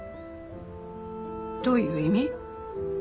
どういう意味？